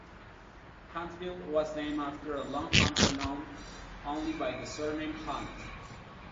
Huntsville was named after a long hunter known only by the surname Hunt.